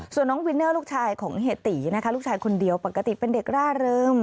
ส่วนน้องวินเนอร์ลูกชายของเฮตีนะคะลูกชายคนเดียวปกติเป็นเด็กร่าเริง